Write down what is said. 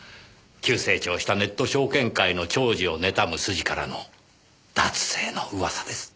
急成長したネット証券界の寵児を妬む筋からの脱税のうわさです。